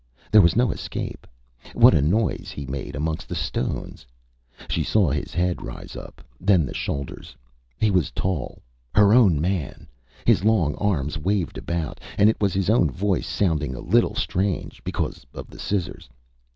There was no escape. What a noise he made amongst the stones. ... She saw his head rise up, then the shoulders. He was tall her own man! His long arms waved about, and it was his own voice sounding a little strange ... because of the scissors.